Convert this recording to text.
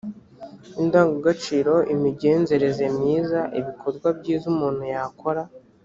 indangagaciro, imigenzereze myiza, ibikorwa byiza umuntu yakora